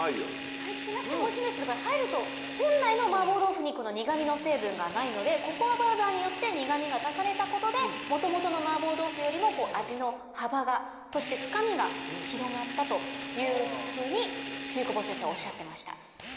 入ってなくてもおいしいんですけど入ると本来の麻婆豆腐にこの苦みの成分がないのでココアパウダーによって苦みが足されたことで元々の麻婆豆腐よりも味の幅がそして深みが広がったというふうに露久保先生おっしゃってました。